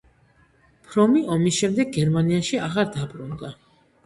ფრომი ომის შემდეგ გერმანიაში აღარ დაბრუნდა.